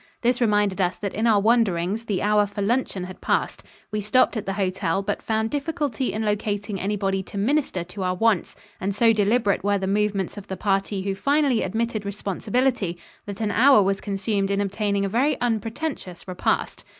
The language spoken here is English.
This reminded us that in our wanderings the hour for luncheon had passed. We stopped at the hotel, but found difficulty in locating anybody to minister to our wants; and so deliberate were the movements of the party who finally admitted responsibility that an hour was consumed in obtaining a very unpretentious repast.